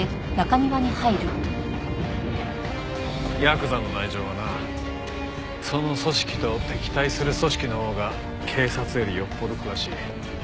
ヤクザの内情はなその組織と敵対する組織のほうが警察よりよっぽど詳しい。